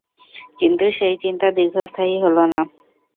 কিন্তু সেই চিন্তা দীর্ঘস্থায়ী হল না।